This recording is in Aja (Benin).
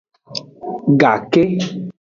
Gake.